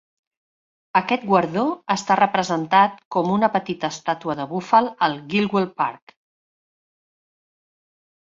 Aquest guardó està representat com una petita estàtua de búfal al Gilwell Park.